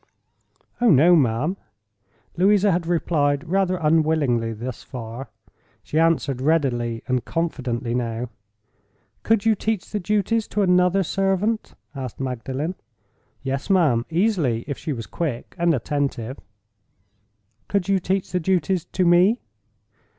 "Oh, no, ma'am!" Louisa had replied rather unwillingly thus far. She answered readily and confidently now. "Could you teach the duties to another servant?" asked Magdalen. "Yes, ma'am—easily, if she was quick and attentive." "Could you teach the duties to Me?"